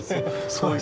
そうそう。